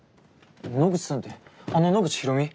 野口さんってあの野口大海？